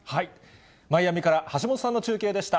マイアミから橋本さんの中継でした。